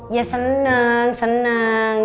ya seneng seneng